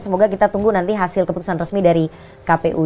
semoga kita tunggu nanti hasil keputusan resmi dari kpu